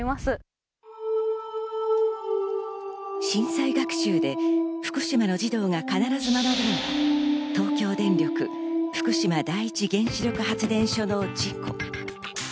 震災学習で福島の児童が必ず学ぶのが東京電力福島第一原子力発電所の事故。